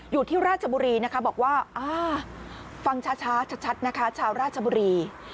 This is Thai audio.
อยู่ที่ราชบุรีนะคะบอกว่าฟังช้าชัดนะคะชาวราชบุรี